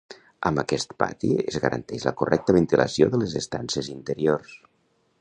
Amb aquest pati es garanteix la correcta ventilació de les estances interiors.